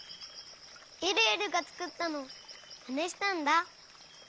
えるえるがつくったのをまねしたんだ。